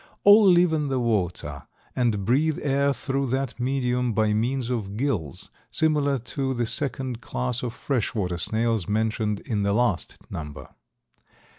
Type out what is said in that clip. All live in the water and breathe air through that medium by means of gills, similar to the second class of fresh water snails mentioned in the last number.